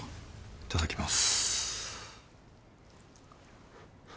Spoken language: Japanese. いただきます。